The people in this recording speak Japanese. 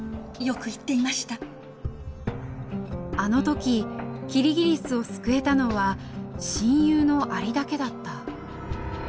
あの時キリギリスを救えたのは親友のアリだけだった。